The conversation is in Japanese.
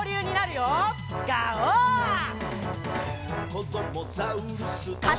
「こどもザウルス